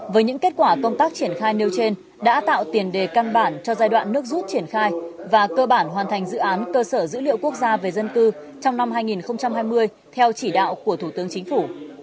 với những kết quả công tác triển khai nêu trên đã tạo tiền đề căn bản cho giai đoạn nước rút triển khai và cơ bản hoàn thành dự án cơ sở dữ liệu quốc gia về dân cư trong năm hai nghìn hai mươi theo chỉ đạo của thủ tướng chính phủ